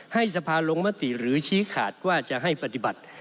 ให้สภาลงมติหรือชี้ขาดว่าจะให้ปฏิบัติ